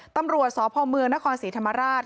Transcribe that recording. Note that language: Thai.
ตำรวจสพนครศรีธรรมราช